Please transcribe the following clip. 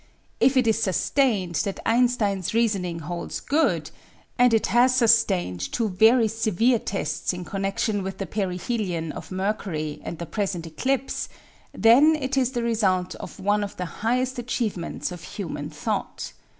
If it is sustained that Einstein's reasoning holds good — and it has sustained two very se vere tests in connection with the perihelion of Mercury and the present eclipse — then it is the result of one of the highest achievements of human thought.